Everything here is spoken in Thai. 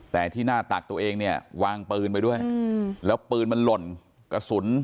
แต่ที่หน้าตักตัวเองเนี่ยวางปืนไปด้วยแล้วปืนมันหล่นกระสุน